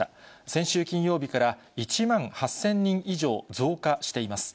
先週金曜日から１万８０００人以上増加しています。